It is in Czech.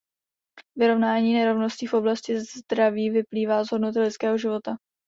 Vyrovnání nerovností v oblasti zdraví vyplývá z hodnoty lidského života.